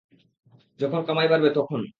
যখন কামাই বাড়বে তখন।